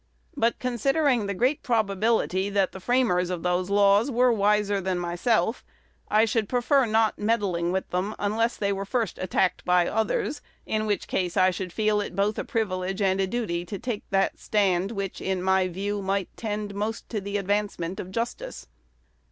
But, considering the great probability that the framers of those laws were wiser than myself, I should prefer not meddling with them, unless they were first attacked by others; in which case I should feel it both a privilege and a duty to take that stand, which, in my view, might tend most to the advancement of justice.